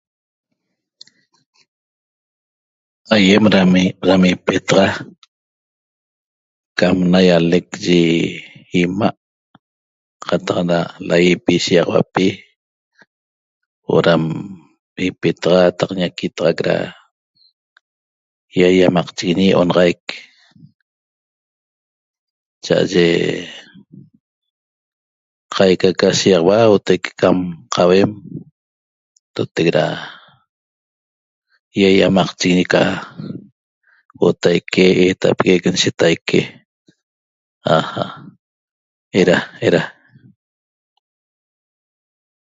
Aýem dam ipetaxa cam naýalec yi 'ima' qataq na laýipi shiýaxauapi huo'o dam ipetaxa taq ñaquitaxac da ýaýamaqchiguiñi onaxaic cha'aye qaica ca shíýaxaua huotaique cam qauem ndotec da ýaýamaqchiguiñi ca huotaique eetapeguec nshetaique 'aja' eda eda